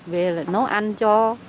về lại nấu ăn cho